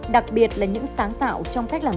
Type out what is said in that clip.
đặc biệt là những sáng tạo trong cách làm